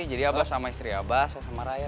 jadi abah sama istri abah saya sama raya